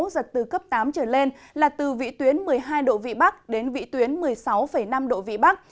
giật từ cấp tám trở lên là từ vị tuyến một mươi hai độ vị bắc đến vị tuyến một mươi sáu năm độ vị bắc